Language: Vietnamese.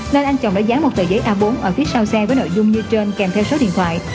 nên anh chồng đã dán một tờ giấy a bốn ở phía sau xe với nội dung như trên kèm theo số điện thoại